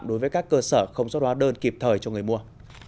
đối với các cơ sở không xuất hóa đơn kịp thời cho người mua